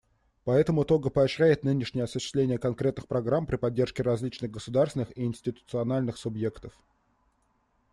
Поэтому Того поощряет нынешнее осуществление конкретных программ при поддержке различных государственных и институциональных субъектов.